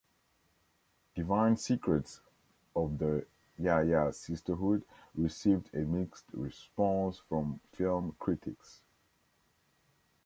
"Divine Secrets of the Ya-Ya Sisterhood" received a mixed response from film critics.